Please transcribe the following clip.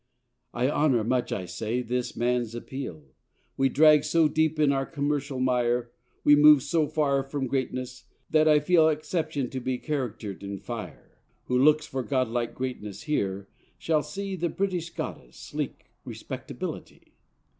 I honour much, I say, this man's appeal. We drag so deep in our commercial mire, We move so far from greatness, that I feel Exception to be character'd in fire. Who looks for Godlike greatness here shall see The British Goddess, sleek Respectability.